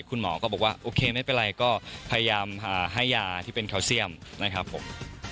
คุณหมอก็บอกว่าโอเคไม่เป็นไรก็พยายามให้ยาที่เป็นแคลเซียมนะครับผม